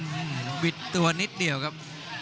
อืมวิดตัวนิดเดียวกับ